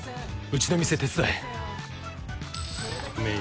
うちの店手伝え。